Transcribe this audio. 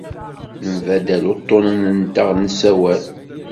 Nembaddal uḍḍunen-nteɣ n usawal.